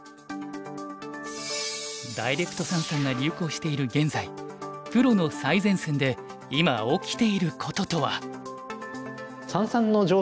ダイレクト三々が流行している現在プロの最前線で今起きていることとは？